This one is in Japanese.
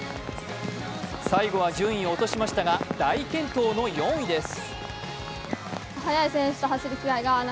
最後は順位を落としましたが大健闘の４位です。